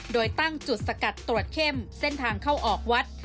โดยตั้งจุดสกัดตรวจเข้มเส้นทางเข้าออกวัด